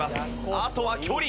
あとは距離。